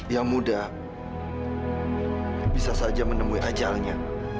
yang muda bisa saja menemui ajalnya